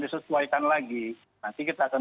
disesuaikan lagi nanti kita akan